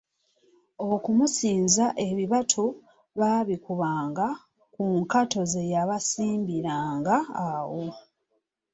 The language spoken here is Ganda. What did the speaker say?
Okumusinza ebibatu baabikubanga ku nkato ze yabasimbiranga awo.